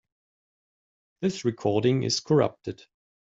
This recording is corrupted.